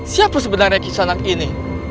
siapa sebenarnya kisanak ini